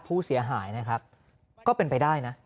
ผู้เสียหายนะครับก็เป็นไปได้นะ